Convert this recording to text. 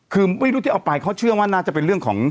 คือไม่รู้ที่เอาไปเขาเชื่อว่าน่าจะเป็นเรื่องของ